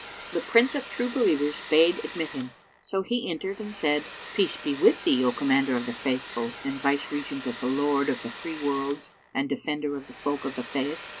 The Prince of True Believers bade admit him; so he entered and said, "Peace be with thee, O Commander of the Faithful and Vice regent of the Lord of the three Worlds and Defender of the folk of the Faith!